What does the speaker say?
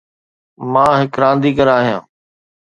مان ھڪ رانديگر آھيان.